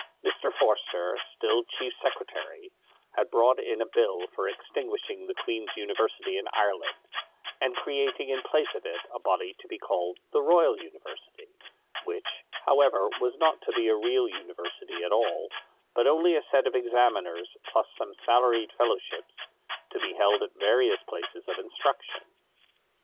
Mr. Forster, still Chief Secretary, had brought in a Bill for extinguishing the Queen's University in Ireland, and creating in place of it a body to be called the Royal University, which, however, was not to be a real university at all, but only a set of examiners plus some salaried fellowships, to be held at various places of instruction.